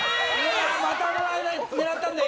またもらえない狙ったんだよ